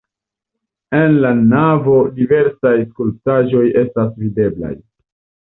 En la navo diversaj skulptaĵoj estas videblaj.